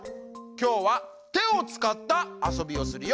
きょうはてをつかったあそびをするよ。